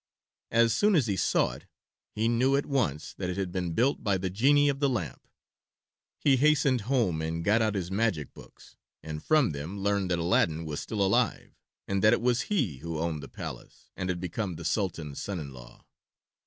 As soon as he saw it he knew at once that it had been built by the genie of the lamp. He hastened home and got out his magic books, and from them learned that Aladdin was still alive, and that it was he who owned the palace and had become the Sultan's son in law.